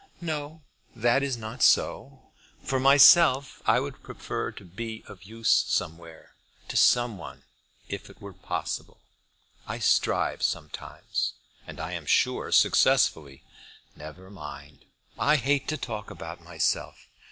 "No; that is not so. For myself, I would prefer to be of use somewhere, to some one, if it were possible. I strive sometimes." "And I am sure successfully." "Never mind. I hate to talk about myself.